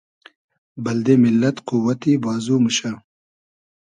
بئلدې میللئد قووئتی بازو موشۂ